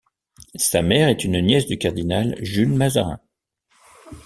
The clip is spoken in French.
Sa mère est une nièce du cardinal Jules Mazarin.